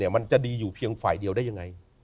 มันจะดีอยู่เพียงฝ่ายเดียวได้ยังไง